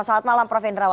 selamat malam prof hendrawan